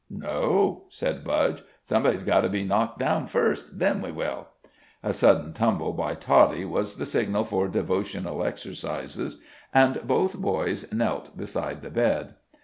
"No," said Budge; "somebody's got to be knocked down first. Then we will." A sudden tumble by Toddie was the signal for devotional exercises, and both boys knelt beside the bed.